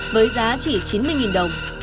với giá chỉ chín mươi đồng